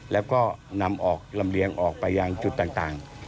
แล้วก็นำออกลำเลียงออกไปยังจุดต่าง